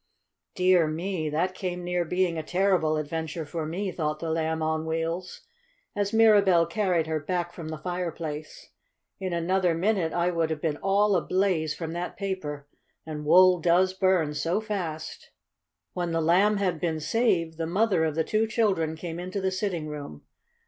"Dear me! that came near being a terrible adventure for me," thought the Lamb on Wheels, as Mirabell carried her back from the fireplace. "In another minute I would have been all ablaze from that paper, and wool does burn so fast!" When the Lamb had been saved, the mother of the two children came into the sitting room.